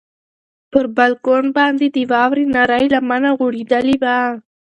پر بالکن باندې د واورې نرۍ لمنه غوړېدلې وه.